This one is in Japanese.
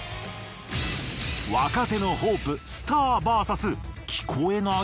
若手のホープスターＶＳ聞こえない？